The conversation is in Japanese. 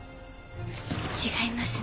違いますね。